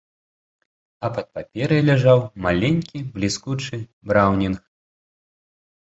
А пад паперай ляжаў маленькі бліскучы браўнінг.